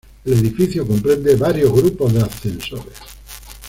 El edificio comprende varios grupos de ascensores.